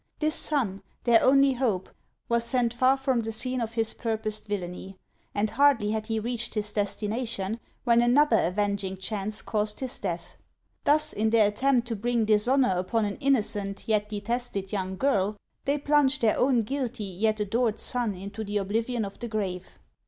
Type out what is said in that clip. This son, their only hope, was sent far from the scene of his purposed villany ; and hardly had he reached his destination, when another avenging chance caused his death. Thus in their attempt to bring dishonor upon an innocent yet detested young girl, they plunged their own guilty yet adored son into the oblivion of the grave.